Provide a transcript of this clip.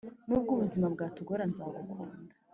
Nubwo ubuzima bwatugora nzagukuda